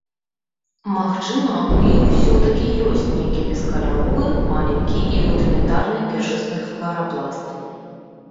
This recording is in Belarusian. Магчыма ў іх усё-такі ёсць нейкі бескаляровы, маленькі і рудыментарны першасны хларапласт.